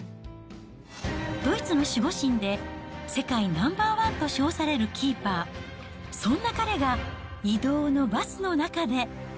ドイツの守護神で、世界ナンバー１と称されるキーパー、そんな彼が、移動のバスの中で。